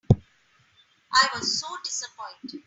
I was so dissapointed.